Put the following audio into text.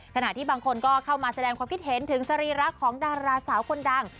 ขณะที่บางคนก็เข้ามาแสดงความคิดเห็นถึงสรีระของดาราสาวคนดัง